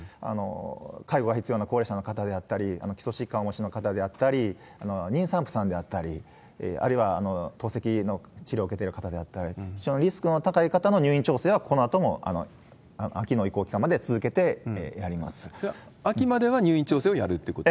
介護が必要な高齢者の方であったり、基礎疾患をお持ちの方であったり、妊産婦さんであったり、あるいは透析の治療を受けてる方であったり、非常にリスクの高い方の入院調整は、このあとも秋の移行期間までそれは、秋までは入院調整をやるってこと？